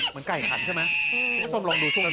เหมือนไก่คันใช่ทรมลมตัวลมช่วย